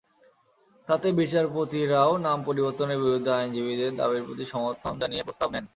তাতে বিচারপতিরাও নাম পরিবর্তনের বিরুদ্ধে আইনজীবীদের দাবির প্রতি সমর্থন জানিয়ে প্রস্তাব নেন।